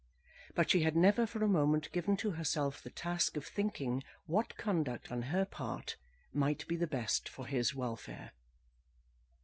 But she had never for a moment given to herself the task of thinking what conduct on her part might be the best for his welfare.